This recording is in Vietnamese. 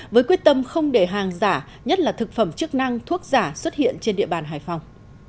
với quyết tâm không để hàng giả nhất là thực phẩm chức năng thuốc giả xuất hiện trên địa bàn hải phòng